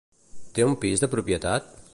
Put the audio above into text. Té un pis de propietat?